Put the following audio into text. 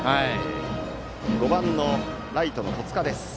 バッターは５番のライトの戸塚です。